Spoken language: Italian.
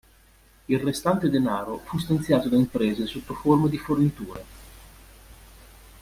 Il restante denaro fu stanziato da imprese sotto forma di forniture.